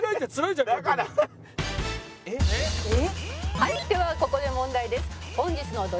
「はいではここで問題です」